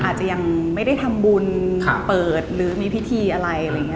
อาจจะยังไม่ได้ทำบุญเปิดหรือมีพิธีอะไรอะไรอย่างนี้